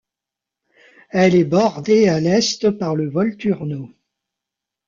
Elle est bordée à l'Est par le Volturno.